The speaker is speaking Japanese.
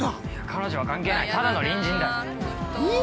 ◆彼女は関係ない、ただの隣人だよ。◆隣人？